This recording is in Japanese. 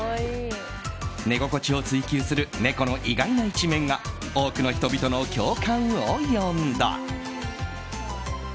寝心地を追求する猫の意外な一面が多くの人々の共感を呼んだ。